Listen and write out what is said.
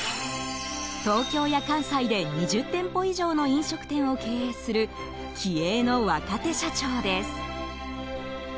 東京や関西で２０店舗以上の飲食店を経営する気鋭の若手社長です。